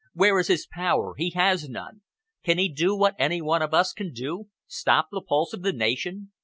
Where is his power? He has none. Can he do what any one of us can stop the pulse of the nation?